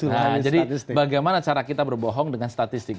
nah jadi bagaimana cara kita berbohong dengan statistik